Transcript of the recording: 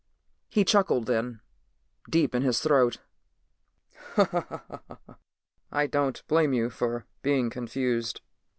He chuckled then, deep in his throat. "I don't blame you for being confused.